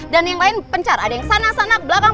dan yang lain pencar ada yang sana sana ke belakang